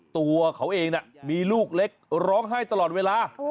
ตัวเขาเองมีลูกเล็กร้องไห้ตลอดเวลา